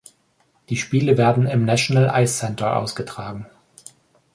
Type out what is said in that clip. Die Spiele werden im National Ice Centre ausgetragen.